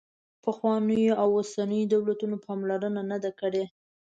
پخوانیو او اوسنیو دولتونو پاملرنه نه ده کړې.